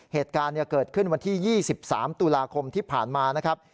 เหตุการณ์เกิดขึ้นวันที่๒๓ตุลาคมที่ผ่านมานะครับ